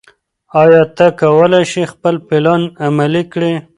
ایا ته کولی شې خپل پلان عملي کړې؟